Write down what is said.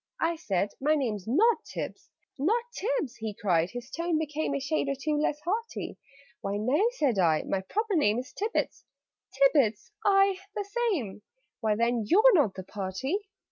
I said "My name's not Tibbs." "Not Tibbs!" he cried his tone became A shade or two less hearty "Why, no," said I. "My proper name Is Tibbets " "Tibbets?" "Aye, the same." "Why, then YOU'RE NOT THE PARTY!"